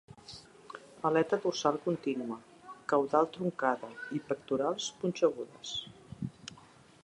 Aleta dorsal contínua, caudal truncada i pectorals punxegudes.